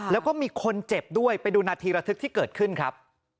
แล้วก็มีคนเจ็บด้วยไปดูนาทีระทึกที่เกิดขึ้นครับ